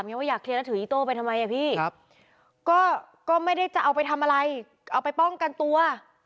ผิดครั้งแรกคือครูนะครับ